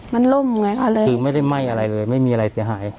มันล่มไงก็เลยคือไม่ได้ไหม้อะไรเลยไม่มีอะไรเสียหาย